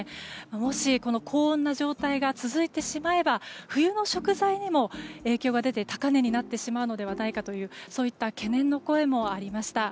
もし、高温な状態が続いてしまえば冬の食材にも影響が出て、高値になってしまうのではないかというそういった懸念の声もありました。